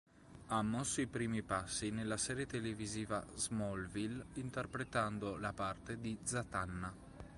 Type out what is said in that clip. Ha mosso i primi passi nella serie televisiva "Smallville", interpretando la parte di Zatanna.